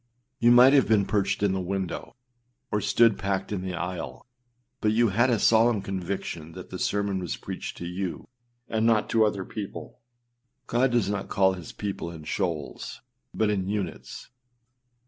â You might have been perched in the window, or stood packed in the aisle; but you had a solemn conviction that the sermon was preached to you, and not to other people. God does not call his people in shoals, but in units.